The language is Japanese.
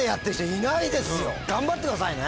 頑張ってくださいね。